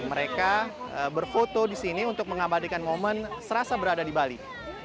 mereka berfoto di sini untuk mengabadikan momen serasa berada di bali